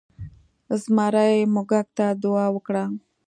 زمري موږک ته دعا وکړه.